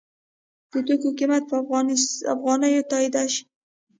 د توکو قیمت په افغانیو تادیه شي.